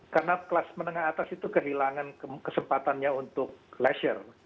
karena kelas menengah atas itu kehilangan kesempatannya untuk leisure